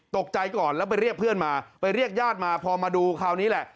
ตกใจก่อนแล้วไปเรียกเพื่อนมาไปเรียกญาติมาพอมาดูคราวนี้แหละ